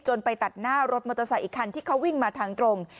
ไปตัดหน้ารถมอเตอร์ไซค์อีกคันที่เขาวิ่งมาทางตรง